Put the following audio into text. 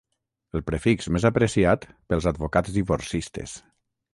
El prefix més apreciat pels advocats divorcistes.